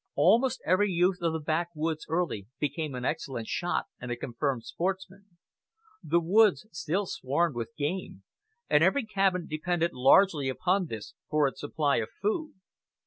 Almost every youth of the backwoods early became an excellent shot and a confirmed sportsman. The woods still swarmed with game, and every cabin depended largely upon this for its supply of food.